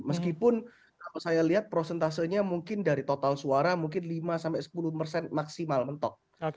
meskipun kalau saya lihat prosentasenya mungkin dari total suara mungkin lima sampai sepuluh persen maksimal mentok